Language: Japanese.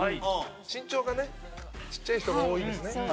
身長がねちっちゃい人が多いですね。